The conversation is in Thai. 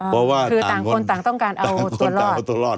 คือต่างคนต้องการเอาตัวรอด